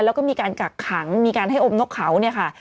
แล้วก็มีการกักขังมีการให้อมนกเขาเนี่ยค่ะ